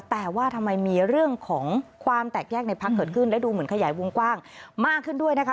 แต่ว่าทำไมมีเรื่องของความแตกแยกในพักเกิดขึ้นและดูเหมือนขยายวงกว้างมากขึ้นด้วยนะคะ